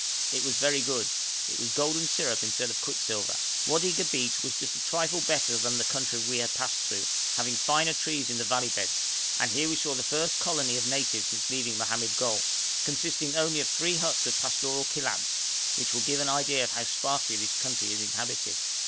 It was very good; it was golden syrup instead of quicksilver. Wadi Gabeit was just a trifle better than the country we had passed through, having finer trees in the valley beds; and here we saw the first colony of natives since leaving Mohammed Gol, consisting only of three huts of pastoral Kilabs, which will give an idea of how sparsely this country is inhabited.